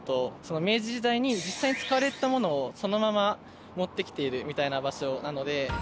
明治時代に実際に使われていた物をそのまま持ってきているみたいな場所なので。